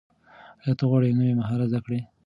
ایا ته غواړې نوي مهارت زده کړې؟